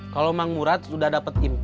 kalau emang murad sudah dapat imbas